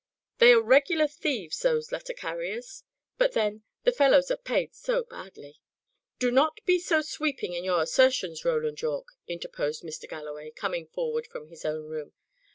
"They are regular thieves, those letter carriers. But, then, the fellows are paid so badly." "Do not be so sweeping in your assertions, Roland Yorke," interposed Mr. Galloway, coming forward from his own room.